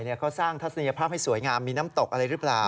เขาสร้างทัศนียภาพให้สวยงามมีน้ำตกอะไรหรือเปล่า